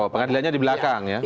pengadilannya di belakang ya